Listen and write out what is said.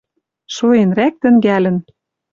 Шоэнрӓк тӹнгӓлӹн.